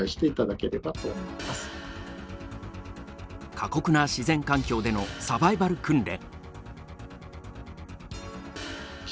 過酷な自然環境でのサバイバル訓練。